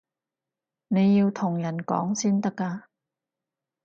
你要同人講先得㗎